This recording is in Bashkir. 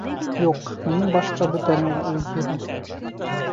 — Юҡ, минең башта бүтән уй йөрөй.